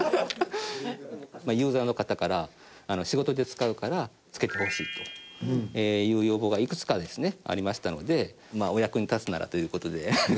ユーザーの方から仕事で使うから付けてほしいという要望がいくつかですねありましたのでお役に立つならという事で。